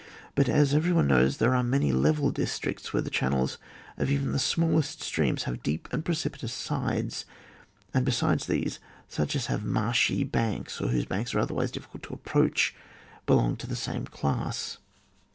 But, as every one knows, there are many level districts where the channels of even the smallest streams have deep and precipitous sides ; and, besides these, such as have marshy banks, or whose banks are otherwise diificidt of approachi belong to the same class.